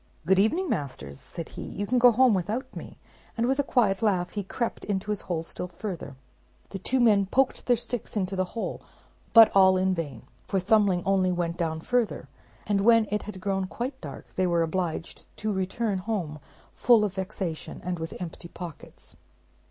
"Good evening, masters," said he, "you can go home without me"; and with a quiet laugh he crept into his hole still further. The two men poked their sticks into the hole, but all in vain; for Thumbling only went down further; and when it had grown quite dark they were obliged to return home full of vexation and with empty pockets.